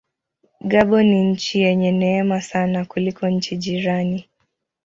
Gabon ni nchi yenye neema sana kuliko nchi jirani.